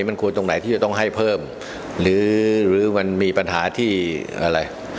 มันควรตรงไหนที่จะต้องให้เพิ่มหรือหรือมันมีปัญหาที่อะไร